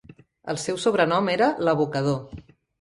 El seu sobrenom era "l'abocador".